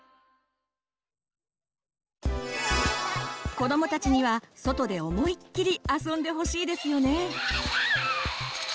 子どもたちには外で思いっきり遊んでほしいですよね。